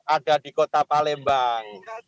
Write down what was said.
ada di kota palembang